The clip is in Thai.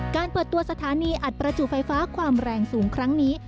เปิดตัวสถานีอัดประจุไฟฟ้าความแรงสูงครั้งนี้